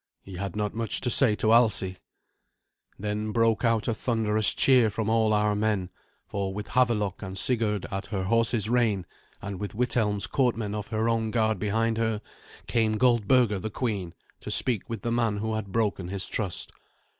He had not much to say to Alsi. Then broke out a thunderous cheer from all our men, for with Havelok and Sigurd at her horse's rein, and with Withelm's courtmen of her own guard behind her, came Goldberga the queen to speak with the man who had broken his trust.